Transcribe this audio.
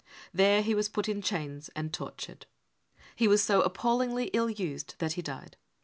There he was put in chains and tortured. He was so appal lingly ill used that he died.